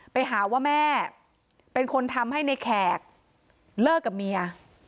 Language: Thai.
ไปหาว่าแม่เป็นคนทำให้ในแขกเลิกกับเมีย